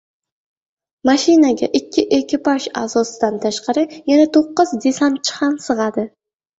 Mashinaga ikki ekipaj a’zosidan tashqari yana to‘qqiz desantchi ham sig‘adi